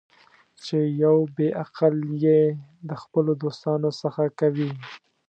چې یو بې عقل یې د خپلو دوستانو څخه کوي.